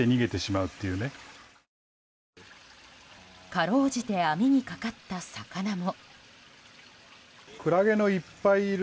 かろうじて網にかかった魚も。